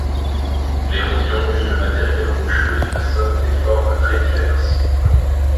L'érosion use le matériel rocheux et façonne des formes très diverses.